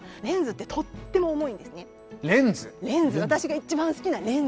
はい！